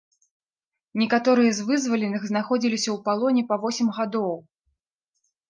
Некаторыя з вызваленых знаходзіліся ў палоне па восем гадоў.